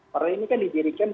partai ini kan dijadikan